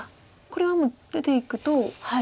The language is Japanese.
これはもう出ていくと。